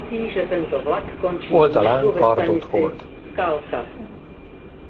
Oldalán kardot hord.